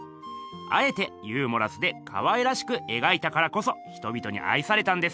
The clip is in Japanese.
あえてユーモラスでかわいらしくえがいたからこそ人びとにあいされたんです！